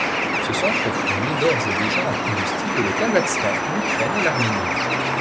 Ce centre fournit d'ores et déjà en combustible le Kazakhstan, l’Ukraine et l’Arménie.